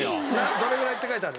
どれぐらいって書いてある？